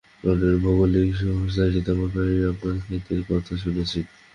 লন্ডনের ভৌগোলিক সোসাইটিতে আমি প্রায়ই আপনার খ্যাতির কথা শুনেছি।